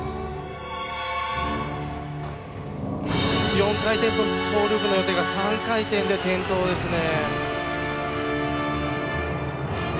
４回転トーループの予定が３回転で転倒ですね。